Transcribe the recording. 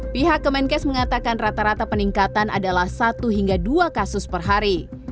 pihak kemenkes mengatakan rata rata peningkatan adalah satu hingga dua kasus per hari